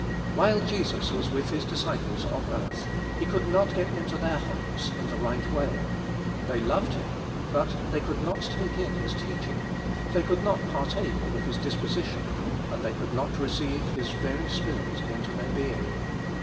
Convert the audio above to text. While Jesus was with His disciples on earth, He could not get into their hearts in the right way. They loved Him, but they could not take in His teaching, they could not partake of His disposition, and the} could not receive His very spirit into their being.